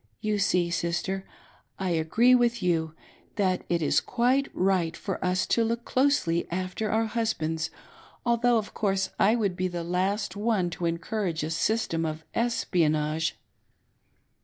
You see, Sister, I agree with you that it is quite right for us to look closely after our husbands, although, of course, I would be the last one to encourage a system of espionage'.'